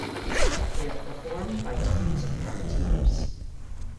They are performed by teams of puppeteers.